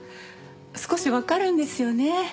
少しわかるんですよね。